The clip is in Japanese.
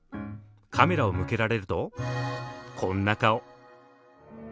カメラを向けられるとこんな顔。